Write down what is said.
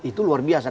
itu luar biasa